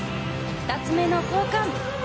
２つ目の交換。